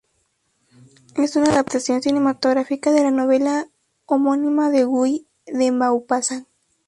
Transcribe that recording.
Es una adaptación cinematográfica de la novela homónima de Guy de Maupassant.